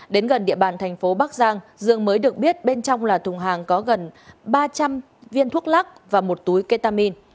đến gần địa bàn thành phố bắc giang dương mới được biết bên trong là thùng hàng có gần ba trăm linh viên thuốc lắc và một túi ketamin